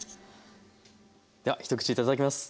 では一口頂きます。